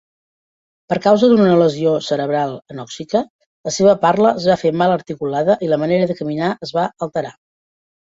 Per causa d'una lesió cerebral anòxica, la seva parla es va fer mal articulada i la manera de caminar es va alterar.